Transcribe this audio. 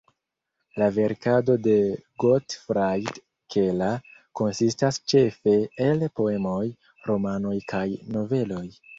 La verkaro de Gottfried Keller konsistas ĉefe el poemoj, romanoj kaj noveloj.